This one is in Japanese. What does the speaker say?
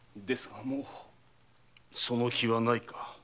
その気はないか？